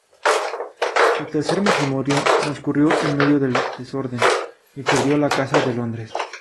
Su tercer matrimonio transcurrió en medio del desorden, y perdió la casa de Londres.